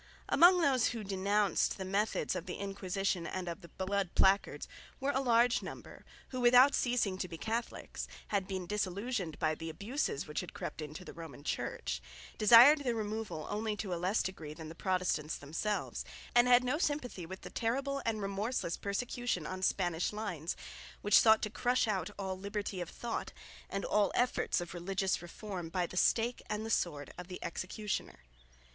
Among those who denounced the methods of the Inquisition and of the Blood Placards were a large number, who without ceasing to be Catholics, had been disillusioned by the abuses which had crept into the Roman Church, desired their removal only to a less degree than the Protestants themselves, and had no sympathy with the terrible and remorseless persecution on Spanish lines, which sought to crush out all liberty of thought and all efforts of religious reform by the stake and the sword of the executioner.